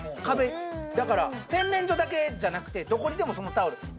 壁だから洗面所だけじゃなくてどこにでもそのタオル